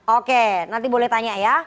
oke nanti boleh tanya ya